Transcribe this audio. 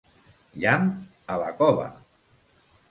Llamp? A la cova!